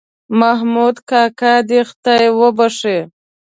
محمود کاکا دې خدای وبښې.